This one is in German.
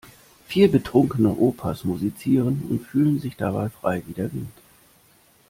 Vier betrunkene Opas musizieren und fühlen sich dabei frei wie der Wind.